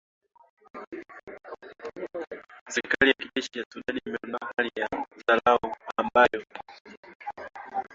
Serikali ya kijeshi ya Sudan imeondoa hali ya dharura ambayo